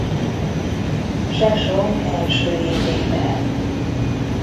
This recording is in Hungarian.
Sesonk első évével.